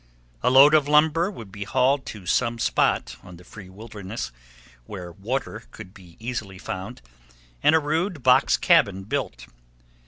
A load of lumber would be hauled to some spot on the free wilderness, where water could be easily found, and a rude box cabin built.